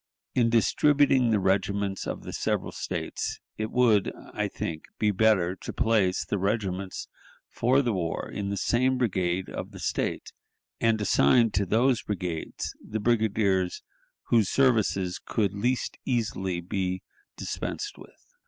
In distributing the regiments of the several States it would, I think, be better to place the regiments for the war in the same brigade of the State, and assign to those brigades the brigadiers whose services could least easily be dispensed with.